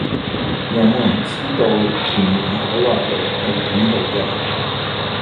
有無人知道屯門海華路係點去㗎